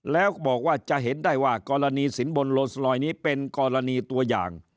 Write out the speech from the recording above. แล้วบอกว่าจะเห็นได้ว่ากรณีสินบนโลสลอยนี้เป็นกรณีตัวอย่าง